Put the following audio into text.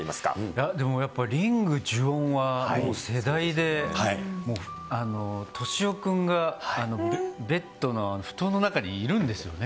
いやでもやっぱ、リング、呪怨はもう世代で、もうとしお君がベッドの布団の中にいるんですよね。